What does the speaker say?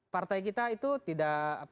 partai kita itu tidak